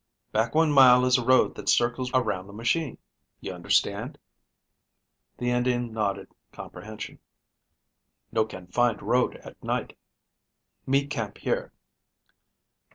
Back one mile is a road that circles around the machine. You understand?" The Indian nodded comprehension. "No can find road at night. Me camp here."